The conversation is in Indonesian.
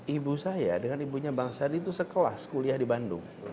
ibu saya dengan ibunya bang sandi itu sekelas kuliah di bandung